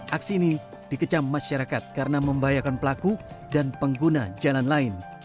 aksi ini dikecam masyarakat karena membahayakan pelaku dan pengguna jalan lain